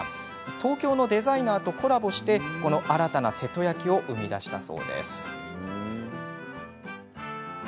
東京のデザイナーとコラボしてこの新たな瀬戸焼を生み出したそうです。